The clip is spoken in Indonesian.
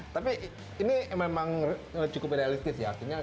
tapi ini memang cukup realistis ya